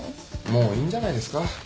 もういいんじゃないですか？